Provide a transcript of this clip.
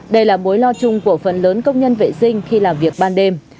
đây là mối lo chung của phần lớn công nhân vệ sinh khi làm việc ban đêm